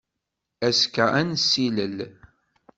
Azekka ad nessilel.